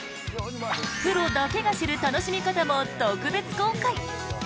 プロだけが知る楽しみ方も特別公開！